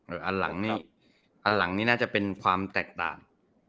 อืมอันหลังนี่น่าจะเป็นความแตกต่าง